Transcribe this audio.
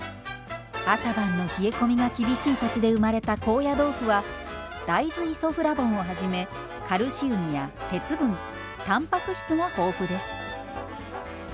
朝晩の冷え込みが厳しい土地で生まれた高野豆腐は大豆イソフラボンをはじめカルシウムや鉄分たんぱく質が豊富です。